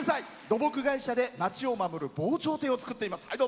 土木会社で町を守る防潮堤を造っています。